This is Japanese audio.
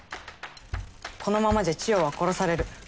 このままじゃチヨは殺される。